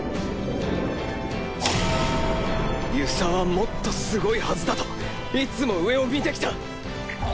遊佐はもっとすごいはずだといつも上を見てきた！